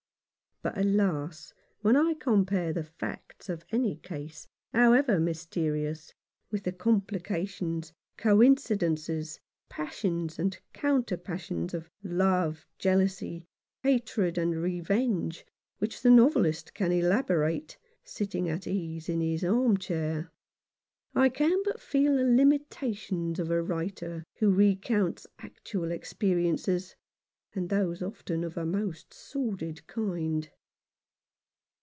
But, alas ! when I compare the facts of any case, however mysterious^ with the complications, coin cidences, passions, and counter passions of love, jealousy, hatred, and revenge which the novelist can elaborate, sitting at ease in his arm chair, I can but feel the limitations of a writer who recounts actual experiences, and those often of a most sordid kind.